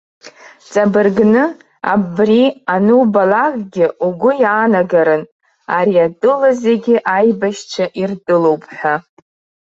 Ҵабыргны абри анубалакгьы угәы иаанагарын, ари атәыла зегьы аибашьцәа иртәылоуп ҳәа.